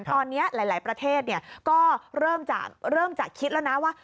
ตอนนี้หลายประเทศก็เริ่มจะคิดแล้วนะว่า